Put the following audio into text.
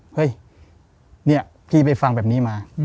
เฮ้ยเนี่ยพี่ไปฟังแบบนี้มา